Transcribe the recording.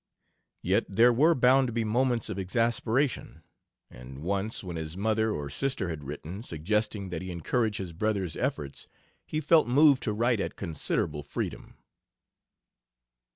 Yet there were bound to be moments of exasperation; and once, when his mother, or sister, had written, suggesting that he encourage his brother's efforts, he felt moved to write at considerable freedom.